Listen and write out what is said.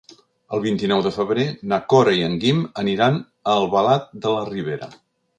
El vint-i-nou de febrer na Cora i en Guim aniran a Albalat de la Ribera.